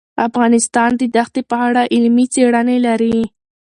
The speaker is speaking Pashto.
افغانستان د دښتې په اړه علمي څېړنې لري.